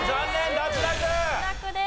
脱落です。